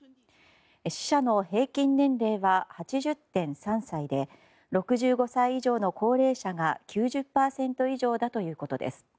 死者の平均年齢は８０．３歳で６５歳以上の高齢者が９０％以上だということです。